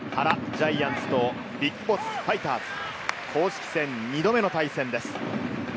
ジャイアンツとＢＩＧＢＯＳＳファイターズ、公式戦、２度目の対戦です。